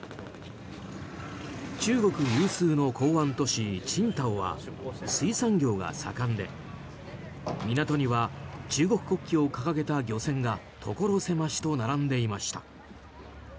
中国有数の港湾都市、青島は水産業が盛んで港には中国国旗を掲げた漁船が所狭しと並んでいました。